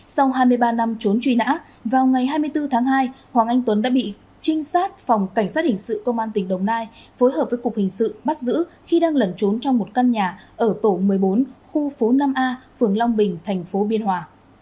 sau hai mươi ba năm trốn truy nã vào ngày hai mươi bốn tháng hai hoàng anh tuấn đã bị trinh sát phòng cảnh sát hình sự công an tỉnh đồng nai phối hợp với cục hình sự bắt giữ khi đang lẩn trốn trong một căn nhà ở tổ một mươi bốn khu phố năm a phường long bình thành phố biên hòa